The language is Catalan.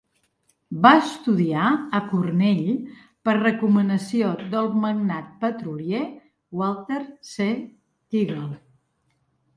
Va estudiar a Cornell per recomanació del magnat petrolier Walter C. Teagle.